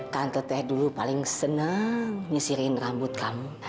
kanto teh dulu paling seneng nyisirin rambut kamu